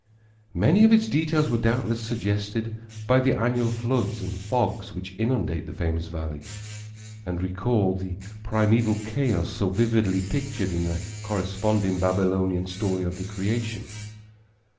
Many of its details were doubtless suggested by the annual floods and fogs which inundate that famous valley and recall the primeval chaos so vividly pictured in the corresponding Babylonian story of the creation.